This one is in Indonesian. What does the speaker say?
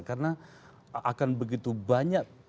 karena akan begitu banyak